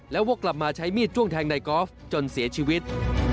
แล้วว่ากลับมาใช้มีดจ้วงแทงในกอล์ฟจนเสียชีวิต